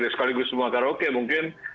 sekaligus semua karoke mungkin